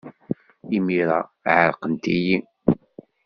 Imir-a, ɛerqent-iyi.